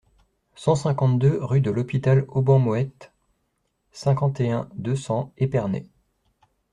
cent cinquante-deux rue de l'Hôpital Auban Moët, cinquante et un, deux cents, Épernay